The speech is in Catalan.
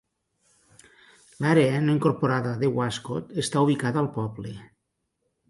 L'àrea no incorporada de Wascott està ubicada al poble.